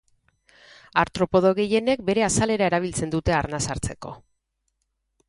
Artropodo gehienek bere azalera erabiltzen dute arnas hartzeko.